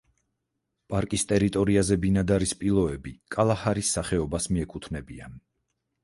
პარკის ტერიტორიაზე ბინადარი სპილოები კალაჰარის სახეობას მიეკუთვნებიან.